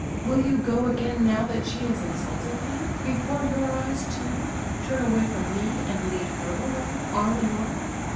Will you go again now that she has insulted me, before your eyes, too; turn away from me and lead her away, arm in arm?